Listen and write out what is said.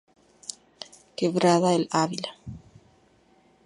Quebrada El Ávila